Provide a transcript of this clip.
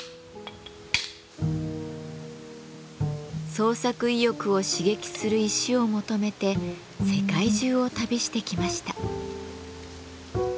創作意欲を刺激する石を求めて世界中を旅してきました。